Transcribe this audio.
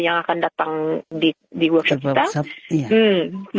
yang akan datang di worki kita